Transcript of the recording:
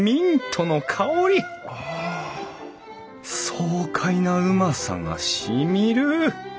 爽快なうまさがしみる。